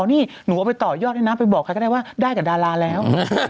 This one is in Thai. นี่หนูเอาไปต่อยอดด้วยนะไปบอกใครก็ได้ว่าได้กับดาราแล้ว